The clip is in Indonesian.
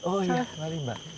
oh ya mari mbak